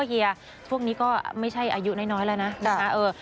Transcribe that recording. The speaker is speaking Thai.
เฮียช่วงนี้ก็ไม่ใช่อายุน้อยแล้วนะ